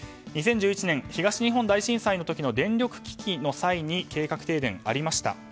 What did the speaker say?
２０１１年、東日本大震災の時の電力危機の際に計画停電がありました。